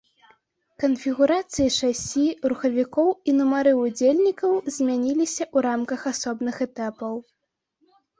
Канфігурацыі шасі, рухавікоў і нумары ўдзельнікаў змяняліся ў рамках асобных этапаў.